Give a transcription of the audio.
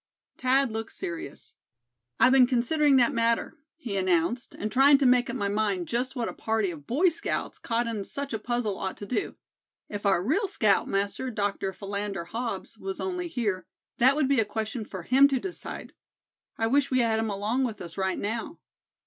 Thad looked serious. "I've been considering that matter," he announced, "and trying to make up my mind just what a party of Boy Scouts, caught in such a puzzle, ought to do. If our real scoutmaster, Dr. Philander Hobbs, was only here, that would be a question for him to decide. I wish we had him along with us right now."